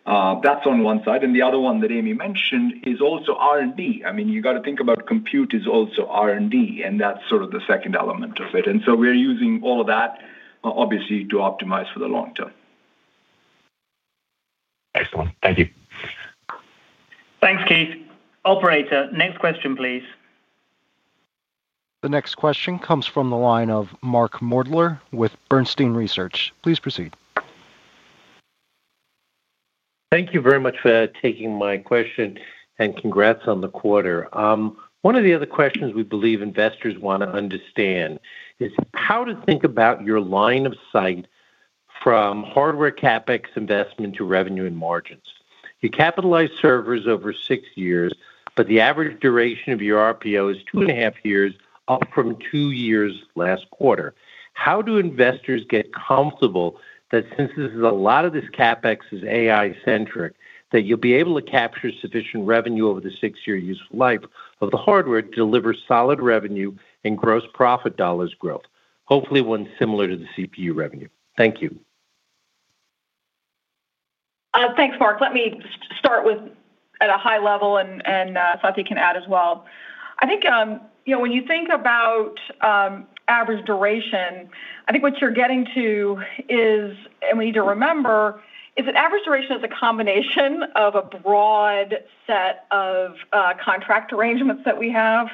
C: That's on one side, and the other one that Amy mentioned is also R&D. I mean, you got to think about compute is also R&D, and that's sort of the second element of it. And so we're using all of that, obviously, to optimize for the long term.
E: Excellent. Thank you.
B: Thanks, Keith. Operator, next question, please.
A: The next question comes from the line of Mark Moerdler with Bernstein Research. Please proceed.
F: Thank you very much for taking my question, and congrats on the quarter. One of the other questions we believe investors want to understand is how to think about your line of sight from hardware CapEx investment to revenue and margins. You capitalize servers over six years, but the average duration of your RPO is 2.5 years, up from two years last quarter. How do investors get comfortable that since this is a lot of this CapEx is AI-centric, that you'll be able to capture sufficient revenue over the 6-year useful life of the hardware to deliver solid revenue and gross profit dollars growth? Hopefully, one similar to the CPU revenue. Thank you.
D: Thanks, Mark. Let me start with at a high level, and Satya can add as well. I think, you know, when you think about average duration, I think what you're getting to is, and we need to remember, is that average duration is a combination of a broad set of contract arrangements that we have.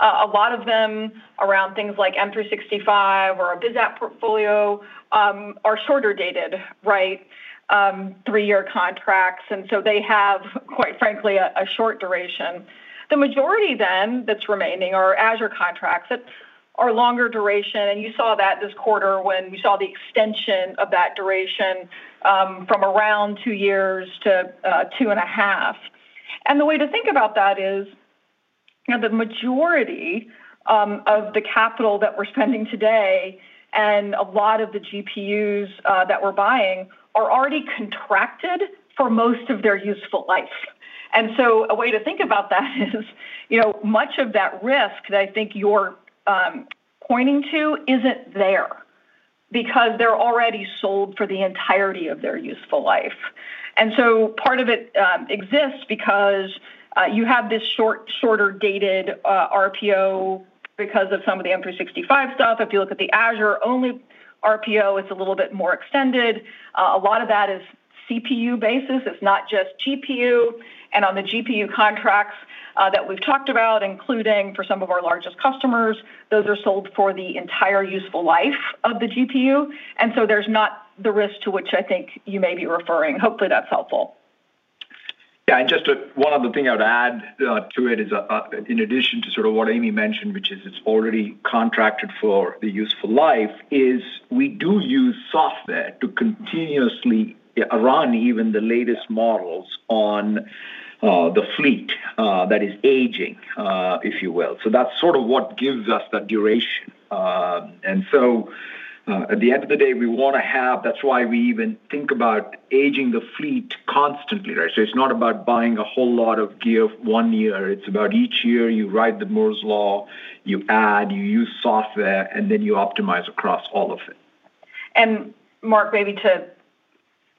D: A lot of them around things like M365 or our BizApp portfolio are shorter dated, right? Three-year contracts, and so they have, quite frankly, a short duration. The majority then, that's remaining are Azure contracts that are longer duration, and you saw that this quarter when we saw the extension of that duration from around 2 years to 2.5. The way to think about that is, you know, the majority of the capital that we're spending today, and a lot of the GPUs that we're buying, are already contracted for most of their useful life. So a way to think about that is, you know, much of that risk that I think you're pointing to isn't there because they're already sold for the entirety of their useful life. So part of it exists because you have this shorter dated RPO because of some of the M365 stuff. If you look at the Azure-only RPO, it's a little bit more extended. A lot of that is CPU basis. It's not just GPU. On the GPU contracts that we've talked about, including for some of our largest customers, those are sold for the entire useful life of the GPU, and so there's not the risk to which I think you may be referring. Hopefully, that's helpful. ...
C: Yeah, and just one other thing I would add, to it is, in addition to sort of what Amy mentioned, which is it's already contracted for the useful life, is we do use software to continuously run even the latest models on, the fleet, that is aging, if you will. So that's sort of what gives us that duration. And so, at the end of the day, we want to have— That's why we even think about aging the fleet constantly, right? So it's not about buying a whole lot of gear one year. It's about each year you ride the Moore's Law, you add, you use software, and then you optimize across all of it.
D: And Mark, maybe to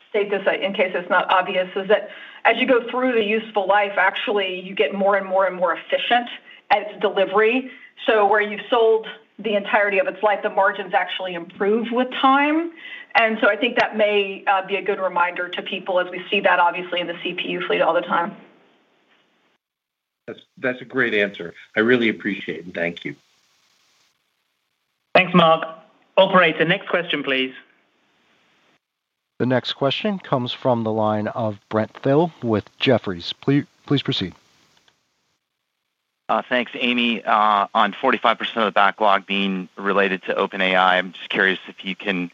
D: state this, in case it's not obvious, is that as you go through the useful life, actually, you get more and more and more efficient at its delivery. So where you've sold the entirety of its life, the margins actually improve with time. And so I think that may be a good reminder to people as we see that, obviously, in the CPU fleet all the time.
F: That's a great answer. I really appreciate it. Thank you.
B: Thanks, Mark. Operator, next question, please.
A: The next question comes from the line of Brent Thill with Jefferies. Please, please proceed.
G: Thanks, Amy. On 45% of the backlog being related to OpenAI, I'm just curious if you can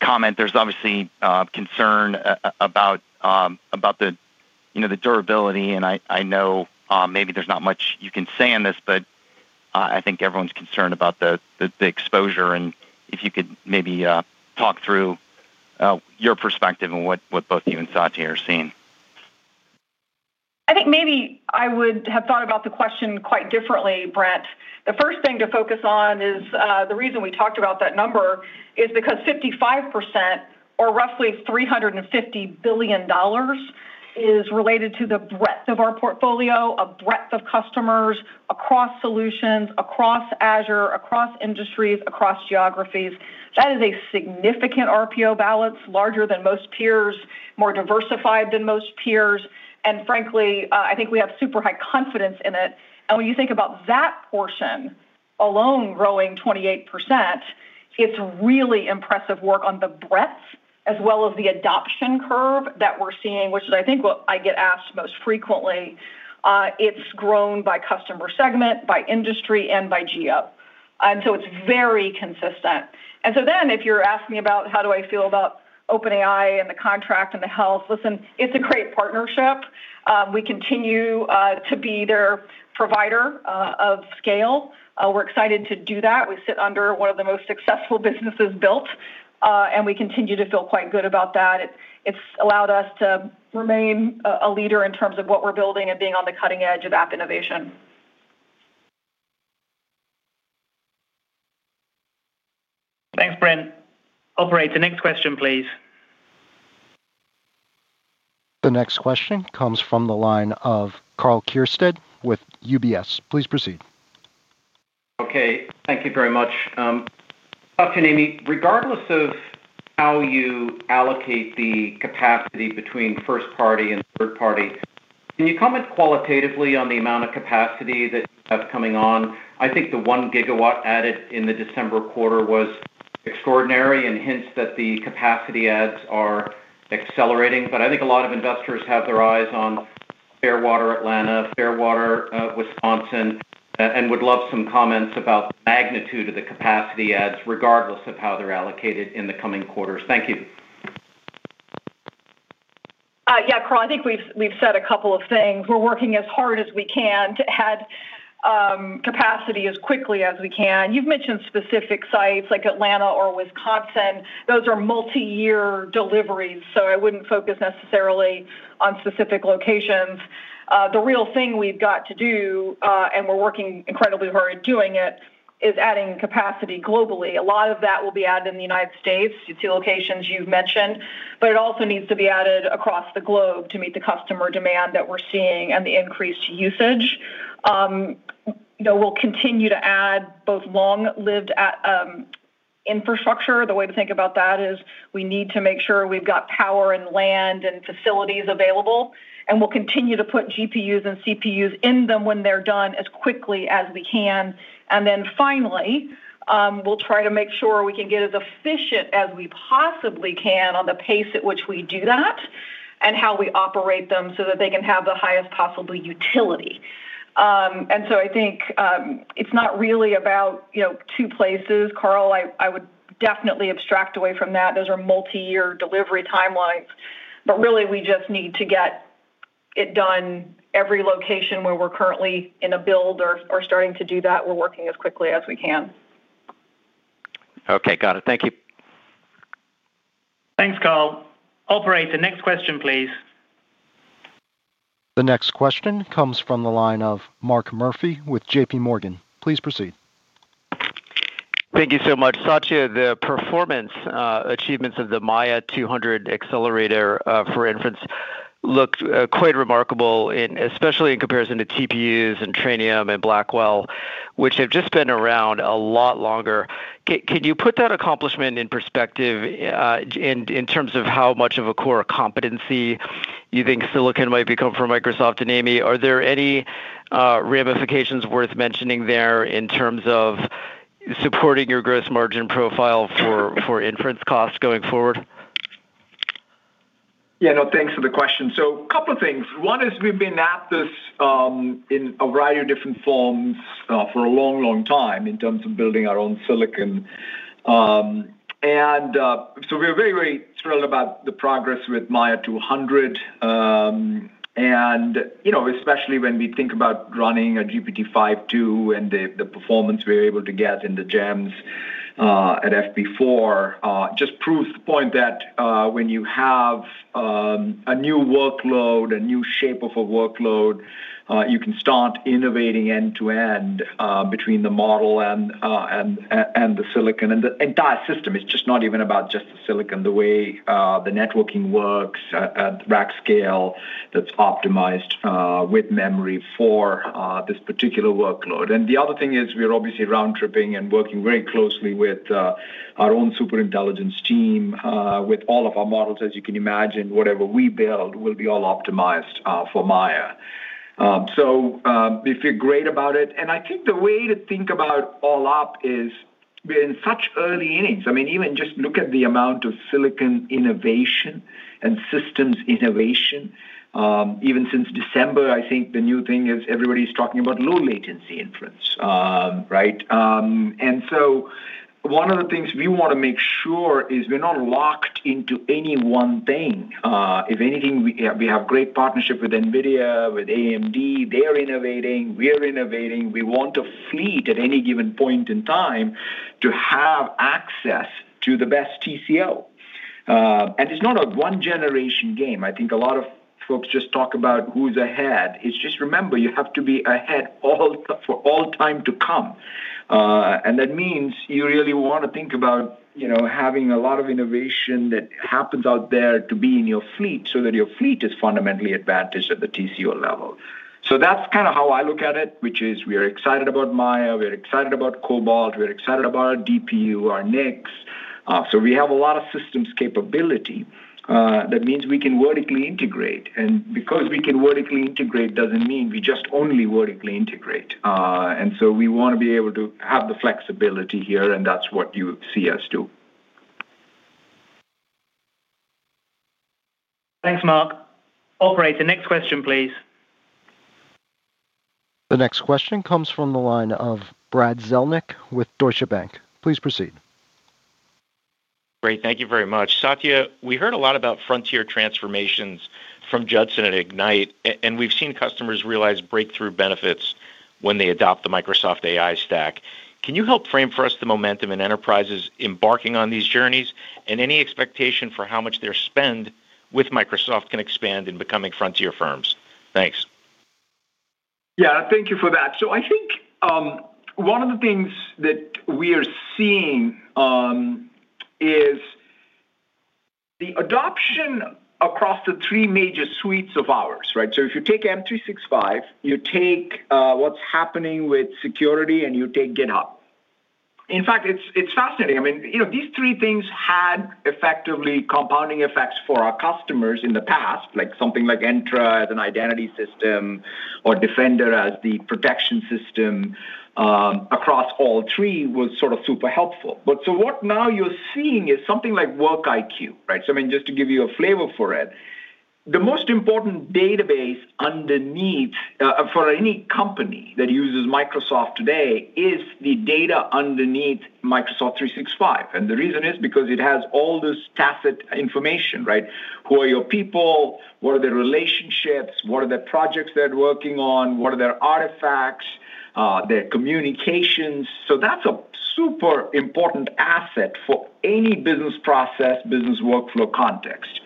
G: comment. There's obviously concern about the, you know, the durability, and I know maybe there's not much you can say on this, but I think everyone's concerned about the exposure and if you could maybe talk through your perspective on what both you and Satya are seeing.
D: I think maybe I would have thought about the question quite differently, Brent. The first thing to focus on is the reason we talked about that number is because 55% or roughly $350 billion is related to the breadth of our portfolio, a breadth of customers across solutions, across Azure, across industries, across geographies. That is a significant RPO balance, larger than most peers, more diversified than most peers, and frankly, I think we have super high confidence in it. When you think about that portion alone growing 28%, it's really impressive work on the breadth as well as the adoption curve that we're seeing, which is I think what I get asked most frequently. It's grown by customer segment, by industry, and by geo, and so it's very consistent. If you're asking me about how do I feel about OpenAI and the contract and the health, listen, it's a great partnership. We continue to be their provider of scale. We're excited to do that. We sit under one of the most successful businesses built, and we continue to feel quite good about that. It's allowed us to remain a leader in terms of what we're building and being on the cutting edge of app innovation.
B: Thanks, Brent. Operator, next question, please.
A: The next question comes from the line of Karl Keirstead with UBS. Please proceed.
H: Okay, thank you very much. Satya, Amy, regardless of how you allocate the capacity between first party and third party, can you comment qualitatively on the amount of capacity that you have coming on? I think the 1 GW added in the December quarter was extraordinary and hints that the capacity adds are accelerating. But I think a lot of investors have their eyes on Fairwater, Atlanta, Fairwater, Wisconsin, and would love some comments about the magnitude of the capacity adds, regardless of how they're allocated in the coming quarters. Thank you.
D: Yeah, Karl, I think we've said a couple of things. We're working as hard as we can to add capacity as quickly as we can. You've mentioned specific sites like Atlanta or Wisconsin. Those are multi-year deliveries, so I wouldn't focus necessarily on specific locations. The real thing we've got to do, and we're working incredibly hard at doing it, is adding capacity globally. A lot of that will be added in the United States, the two locations you've mentioned, but it also needs to be added across the globe to meet the customer demand that we're seeing and the increased usage. You know, we'll continue to add both long-lived assets, infrastructure. The way to think about that is we need to make sure we've got power and land and facilities available, and we'll continue to put GPUs and CPUs in them when they're done, as quickly as we can. And then finally, we'll try to make sure we can get as efficient as we possibly can on the pace at which we do that and how we operate them so that they can have the highest possible utility. And so I think, it's not really about, you know, two places, Karl. I, I would definitely abstract away from that. Those are multi-year delivery timelines, but really, we just need to get it done every location where we're currently in a build or, or starting to do that. We're working as quickly as we can.
H: Okay, got it. Thank you.
B: Thanks, Karl. Operator, next question, please.
A: The next question comes from the line of Mark Murphy with JP Morgan. Please proceed.
I: Thank you so much. Satya, the performance achievements of the Maia 200 accelerator for inference looked quite remarkable, especially in comparison to TPUs and Trainium and Blackwell, which have just been around a lot longer. Can, can you put that accomplishment in perspective, in terms of how much of a core competency you think silicon might become for Microsoft? And Amy, are there any ramifications worth mentioning there in terms of supporting your gross margin profile for inference costs going forward?
C: Yeah, no, thanks for the question. So a couple of things. One is we've been at this, in a variety of different forms, for a long, long time in terms of building our own silicon. And, so we're very, very thrilled about the progress with Maia 200. And, you know, especially when we think about running a GPT-5 too and the, the performance we're able to get in the GEMMs, at FP4, just proves the point that, when you have, a new workload, a new shape of a workload, you can start innovating end-to-end, between the model and, and, and the silicon. And the entire system is just not even about just the silicon, the way, the networking works at, at rack scale that's optimized, with memory for, this particular workload. The other thing is we are obviously round-tripping and working very closely with our own super intelligence team with all of our models. As you can imagine, whatever we build will be all optimized for Maia. We feel great about it, and I think the way to think about all up is we're in such early innings. I mean, even just look at the amount of silicon innovation and systems innovation. Even since December, I think the new thing is everybody's talking about low latency inference. Right? One of the things we want to make sure is we're not locked into any one thing. If anything, we have great partnership with NVIDIA, with AMD. They're innovating, we're innovating. We want to fleet at any given point in time to have access to the best TCO. And it's not a one-generation game. I think a lot of folks just talk about who's ahead. It's just remember, you have to be ahead all the—for all time to come. And that means you really want to think about, you know, having a lot of innovation that happens out there to be in your fleet so that your fleet is fundamentally advantaged at the TCO level. So that's kind of how I look at it, which is we are excited about Maia, we're excited about Cobalt, we're excited about DPU, our next. So we have a lot of systems capability. That means we can vertically integrate, and because we can vertically integrate doesn't mean we just only vertically integrate. And so we want to be able to have the flexibility here, and that's what you see us do.
B: Thanks, Mark. Operator, next question, please.
A: The next question comes from the line of Brad Zelnick with Deutsche Bank. Please proceed.
J: Great. Thank you very much. Satya, we heard a lot about frontier transformations from Judson at Ignite, and we've seen customers realize breakthrough benefits when they adopt the Microsoft AI stack. Can you help frame for us the momentum in enterprises embarking on these journeys, and any expectation for how much their spend with Microsoft can expand in becoming frontier firms? Thanks.
C: Yeah, thank you for that. So I think, one of the things that we are seeing, is the adoption across the three major suites of ours, right? So if you take M365, you take, what's happening with security, and you take GitHub. In fact, it's, it's fascinating. I mean, you know, these three things had effectively compounding effects for our customers in the past, like something like Entra as an identity system or Defender as the protection system, across all three was sort of super helpful. But so what now you're seeing is something like Work IQ, right? So, I mean, just to give you a flavor for it, the most important database underneath, for any company that uses Microsoft today is the data underneath Microsoft 365, and the reason is because it has all this tacit information, right? Who are your people? What are their relationships? What are the projects they're working on? What are their artifacts, their communications? So that's a super important asset for any business process, business workflow context.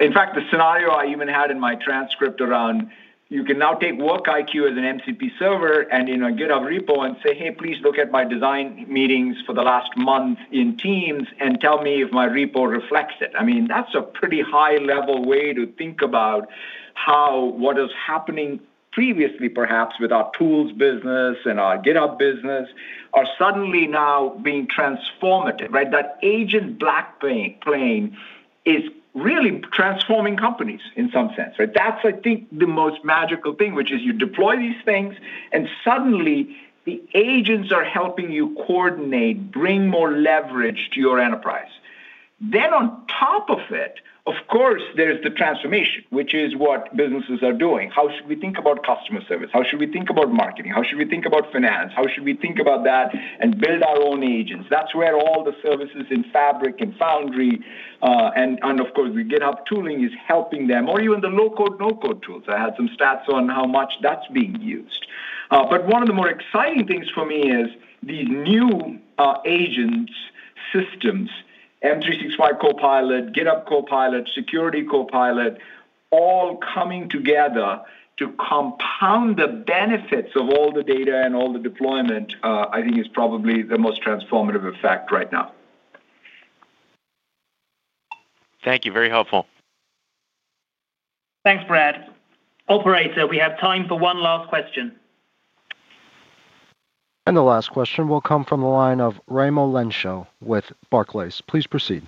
C: In fact, the scenario I even had in my transcript around, you can now take Work IQ as an MCP server and, you know, GitHub repo and say, "Hey, please look at my design meetings for the last month in Teams and tell me if my repo reflects it." I mean, that's a pretty high-level way to think about how what is happening previously, perhaps with our tools business and our GitHub business, are suddenly now being transformative, right? That agentic plane is really transforming companies in some sense, right? That's, I think, the most magical thing, which is you deploy these things, and suddenly the agents are helping you coordinate, bring more leverage to your enterprise. Then on top of it, of course, there is the transformation, which is what businesses are doing. How should we think about customer service? How should we think about marketing? How should we think about finance? How should we think about that and build our own agents? That's where all the services in Fabric and Foundry, and of course, the GitHub tooling is helping them, or even the low-code, no-code tools. I had some stats on how much that's being used. But one of the more exciting things for me is these new agents systems, M365 Copilot, GitHub Copilot, Security Copilot, all coming together to compound the benefits of all the data and all the deployment. I think is probably the most transformative effect right now.
J: Thank you. Very helpful.
B: Thanks, Brad. Operator, we have time for one last question.
A: The last question will come from the line of Raimo Lenschow with Barclays. Please proceed....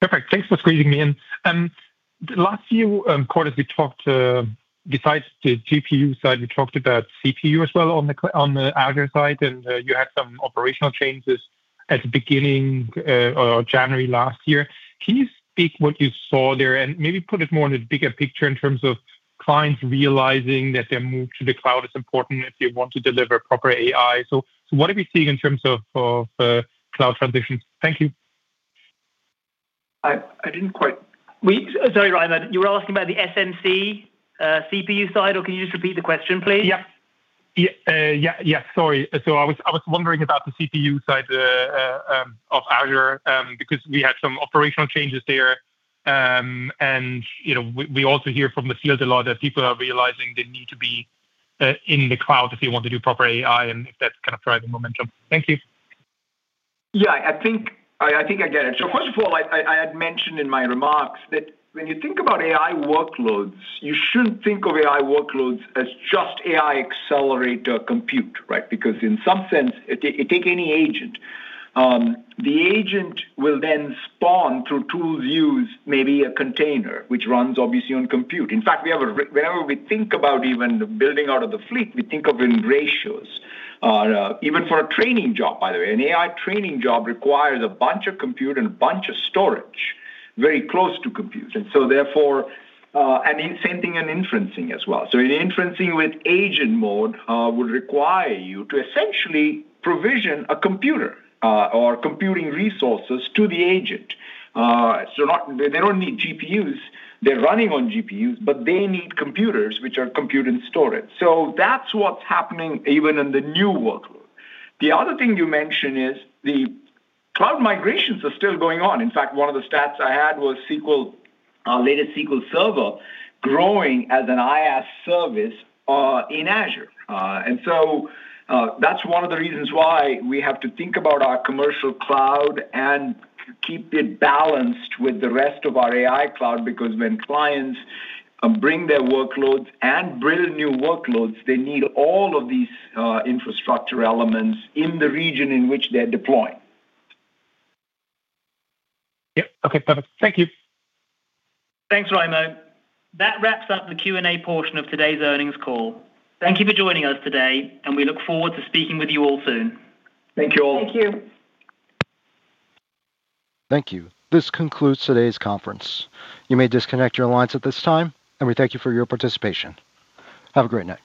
K: Perfect. Thanks for squeezing me in. The last few quarters, we talked, besides the GPU side, we talked about CPU as well on the Azure side, and you had some operational changes at the beginning, or January last year. Can you speak what you saw there, and maybe put it more in a bigger picture in terms of clients realizing that their move to the cloud is important if they want to deliver proper AI? So, what are we seeing in terms of cloud transitions? Thank you.
C: I didn't quite-
B: Sorry, Raimo, you were asking about the SMC, CPU side, or can you just repeat the question, please?
K: Yeah. Yeah, yeah, yes, sorry. So I was wondering about the CPU side of Azure, because we had some operational changes there. You know, we also hear from the field a lot that people are realizing they need to be in the cloud if they want to do proper AI, and if that's kind of driving momentum. Thank you.
C: Yeah, I think I get it. So first of all, I had mentioned in my remarks that when you think about AI workloads, you shouldn't think of AI workloads as just AI accelerator compute, right? Because in some sense, it takes any agent, the agent will then spawn through tool use maybe a container, which runs obviously on compute. In fact, we have whenever we think about even the building out of the fleet, we think of in ratios. Even for a training job, by the way, an AI training job requires a bunch of compute and a bunch of storage, very close to compute, and so therefore, and in same thing in inferencing as well. So in inferencing with agent mode, would require you to essentially provision a computer, or computing resources to the agent. They don't need GPUs. They're running on GPUs, but they need computers, which are compute and storage. So that's what's happening even in the new workload. The other thing you mentioned is the cloud migrations are still going on. In fact, one of the stats I had was SQL latest SQL Server growing as an IaaS service in Azure. And so that's one of the reasons why we have to think about our commercial cloud and keep it balanced with the rest of our AI cloud, because when clients bring their workloads and bring new workloads, they need all of these infrastructure elements in the region in which they're deploying.
K: Yeah. Okay, perfect. Thank you.
B: Thanks, Raimo. That wraps up the Q&A portion of today's earnings call. Thank you for joining us today, and we look forward to speaking with you all soon.
C: Thank you all.
D: Thank you.
A: Thank you. This concludes today's conference. You may disconnect your lines at this time, and we thank you for your participation. Have a great night.